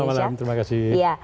selamat malam terima kasih